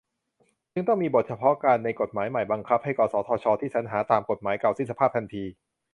จึงต้องมีบทเฉพาะการ ในกฏหมายใหม่บังคับให้ กสทช ที่สรรหาตามกฎหมายเก่าสิ้นสภาพทันที